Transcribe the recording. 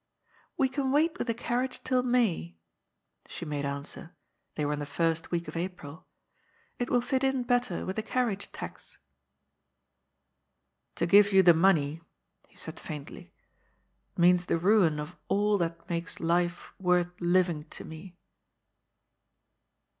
" We can wait with the carriage till May," she made answer — ^they were in the first week of April —^*' it will fit in better with the carriage tax." 256 GOD'S POOL. *^ To give you the money," he said family, ^ means the ruin of all that makes life worth living to me.